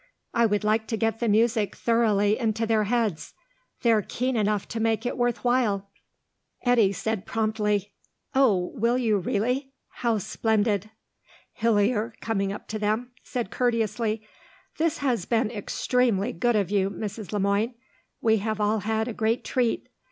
I would like to get the music thoroughly into their heads; they're keen enough to make it worth while." Eddy said promptly, "Oh, will you really? How splendid." Hillier, coming up to them, said courteously, "This has been extremely good of you, Mrs. Le Moine. We have all had a great treat.